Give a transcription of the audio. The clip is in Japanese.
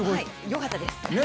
よかったです。